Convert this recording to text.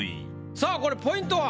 さあこれポイントは？